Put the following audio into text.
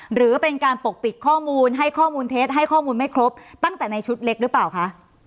หรือเป็นการปกปิดข้อมูลให้ข้อมูลเท็จให้ข้อมูลไม่ครบตั้งแต่ในชุดเล็กหรือเปล่าคะ